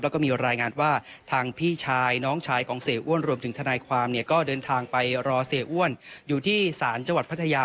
แล้วก็มีรายงานว่าทางพี่ชายน้องชายของเสียอ้วนรวมถึงทนายความเนี่ยก็เดินทางไปรอเสียอ้วนอยู่ที่ศาลจังหวัดพัทยา